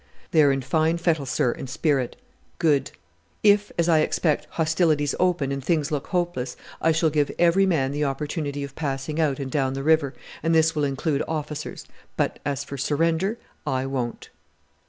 "They are in fine fettle, sir, and spirit?" "Good! If, as I expect, hostilities open, and things look hopeless, I shall give every man the opportunity of passing out and down the river, and this will include officers but as for surrender, I won't."